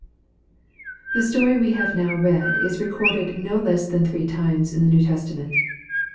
THE story we have now read is recorded no less than three times in the New Testament.